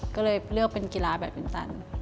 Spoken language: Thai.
ก็เลยเลือกเป็นกีฬาแบบวินตัน